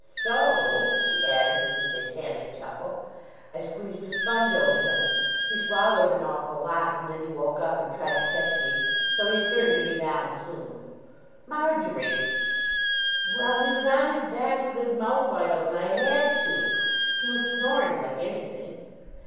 So," she added with a satanic chuckle, "I squeezed a sponge over him. He swallowed an awful lot, and then he woke up, and tried to catch me, so he's certain to be down soon." "Marjory!" "Well, he was on his back with his mouth wide open. I had to. He was snoring like anything."